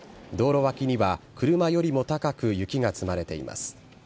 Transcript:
道路脇には車よりも高く雪が積まれています。